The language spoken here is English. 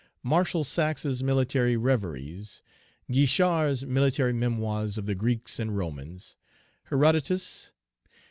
Marshal Saxe's Military Reveries. Guischard's Military Memoirs of the Greeks and Romans. Herodotus.